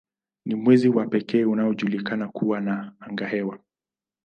Ni mwezi wa pekee unaojulikana kuwa na angahewa.